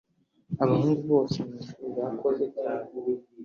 abahungu bose mwishuri bakoze cyane